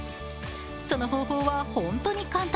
その方法はホントに簡単。